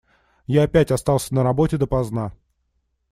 Я опять остался на работе допоздна.